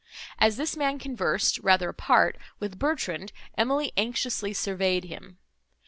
As this man conversed, rather apart, with Bertrand, Emily anxiously surveyed him.